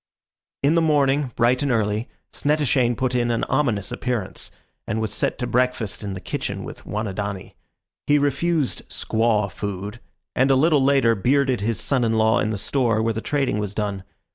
In the morning, bright and early, Snettishane put in an ominous appearance and was set to breakfast in the kitchen with Wanidani. He refused "squaw food," and a little later bearded his son in law in the store where the trading was done.